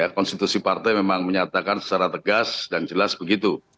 konstitusi partai memang menyatakan secara tegas dan jelas begitu